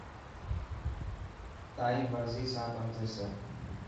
تيان مرضي سان ڪم ٿيسي.